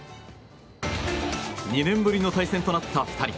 ２年ぶりの対戦となった２人。